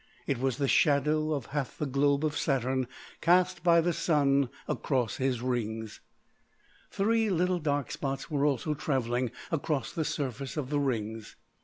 It was the shadow of half the globe of Saturn cast by the Sun across his rings. Three little dark spots were also travelling across the surface of the rings.